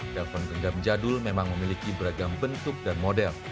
telepon genggam jadul memang memiliki beragam bentuk dan model